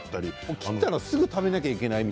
切ったら、すぐに食べなきゃいけないって